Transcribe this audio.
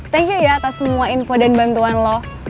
thank you ya atas semua info dan bantuan lo